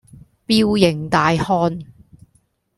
彪形大漢